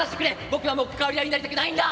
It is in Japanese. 僕はもう関わり合いになりたくないんだ！」。